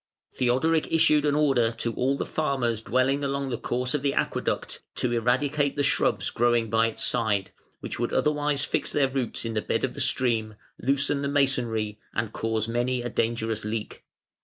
Theodoric issued an order to all the farmers dwelling along the course of the Aqueduct to eradicate the shrubs growing by its side, which would otherwise fix their roots in the bed of the stream, loosen the masonry, and cause many a dangerous leak.